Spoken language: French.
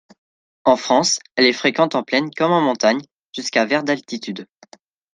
En France, elle est fréquente en plaine comme en montagne, jusque vers d'altitude.